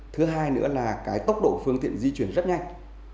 thứ hai nữa là cái tốc độ phương tiện di chuyển rất nhanh